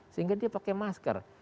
sehingga dia pakai masker